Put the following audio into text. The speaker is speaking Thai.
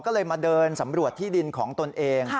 ก็เลยมาเดินสำรวจที่ดินของตนเอง